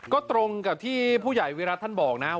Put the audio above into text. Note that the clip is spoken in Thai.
ก็ตรงกับที่ผู้ใหญ่วิรัติท่านบอกนะครับ